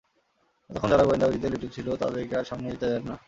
এতক্ষণ যারা গোয়েন্দাগিরিতে লিপ্ত ছিল তাদেরকে আর সামনে যেতে দেন না।